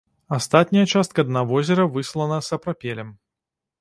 Астатняя частка дна возера выслана сапрапелем.